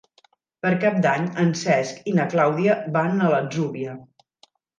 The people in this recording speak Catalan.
Per Cap d'Any en Cesc i na Clàudia van a l'Atzúbia.